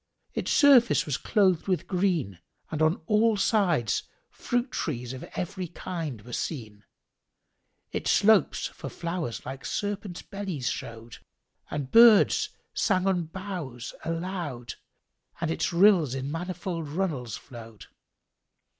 Its surface was clothed with green and on all sides fruit trees of every kind were seen: its slopes for flowers like serpents' bellies showed, and birds sang on boughs aloud and its rills in manifold runnels flowed.